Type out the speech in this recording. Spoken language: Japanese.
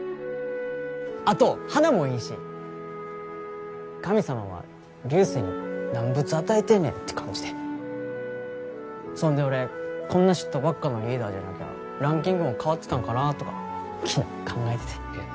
あと鼻もいいし神様は竜星に何ぶつ与えてんねんって感じでそんで俺こんな嫉妬ばっかのリーダーじゃなきゃランキングも変わってたんかなあとか昨日考えてていや